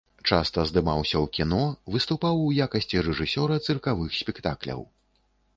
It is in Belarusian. Часта здымаўся ў кіно, выступаў у якасці рэжысёра цыркавых спектакляў.